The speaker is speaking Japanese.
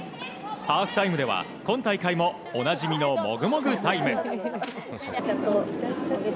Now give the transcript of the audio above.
ハーフタイムでは今大会もおなじみの、もぐもぐタイム。